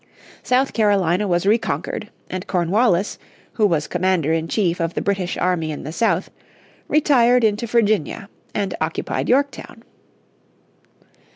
South Carolina was re conquered, and Cornwallis, who was commander in chief of the British army in the south, retired into Virginia, and occupied Yorktown.